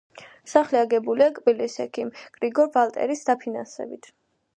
სახლი აგებულია კბილის ექიმ გრიგორ ვალტერის დაფინანსებით.